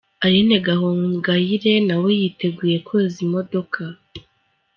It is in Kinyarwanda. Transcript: Aline Gahongayire na we yiteguye koza imodoka.